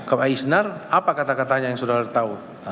ke isnar apa kata katanya yang saudara tahu